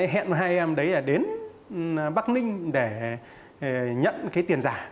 hẹn hai em đến bắc ninh để nhận tiền giả